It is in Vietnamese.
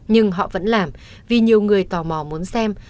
nhưng họ vẫn làm vì nhiều người tò mò muốn xem